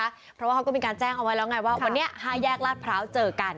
เพราะว่าเขาก็มีการแจ้งเอาไว้แล้วไงว่าวันนี้๕แยกลาดพร้าวเจอกัน